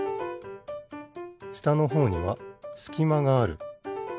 したのほうにはすきまがある。